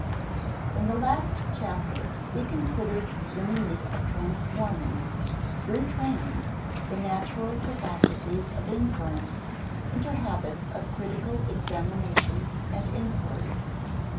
] In the last chapter we considered the need of transforming, through training, the natural capacities of inference into habits of critical examination and inquiry.